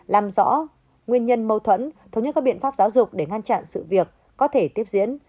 làm rõ nguyên nhân mâu thuẫn thống nhất các biện pháp giáo dục để ngăn chặn sự việc có thể tiếp diễn